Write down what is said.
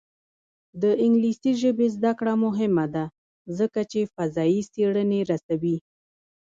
د انګلیسي ژبې زده کړه مهمه ده ځکه چې فضايي څېړنې رسوي.